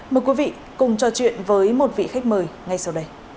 mời quý vị cùng trò chuyện với một vị khách mời ngay sau đây